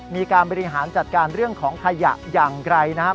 มีการบริหารจัดการเรื่องของขยะอย่างไกลนะครับ